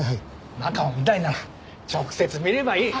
中を見たいなら直接見ればいい。